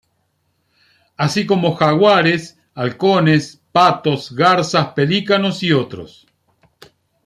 Así como jaguares, halcones, patos, garzas, pelícanos y otros.